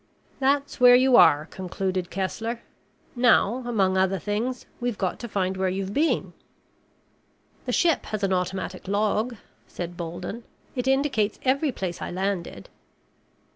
"That's where you are," concluded Kessler. "Now, among other things, we've got to find where you've been." "The ship has an automatic log," said Bolden. "It indicates every place I landed."